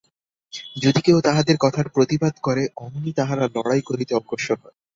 যদি কেহ তাহাদের কথার প্রতিবাদ করে, অমনি তাহারা লড়াই করিতে অগ্রসর হয়।